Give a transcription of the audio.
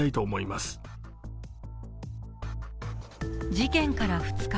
事件から２日。